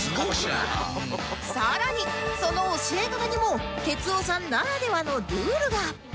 さらにその教え方にも哲夫さんならではのルールが